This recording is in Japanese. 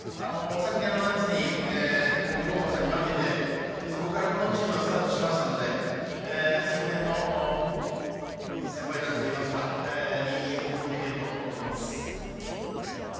昨年の夏に近江高校さんに負けてそこからこのチームはスタートしましたので昨年の先輩たちといいますかいい報告ができると思っています。